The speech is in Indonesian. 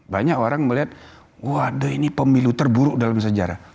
banyak orang melihat waduh ini pemilu terburuk dalam sejarah